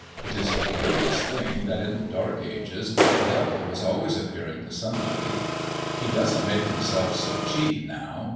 It is a curious thing that in the dark ages the devil was always appearing to somebody. He doesn't make himself so cheap now.